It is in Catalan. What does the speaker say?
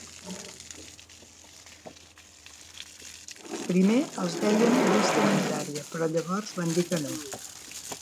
Primer els dèiem llista unitària, però llavors van dir que no.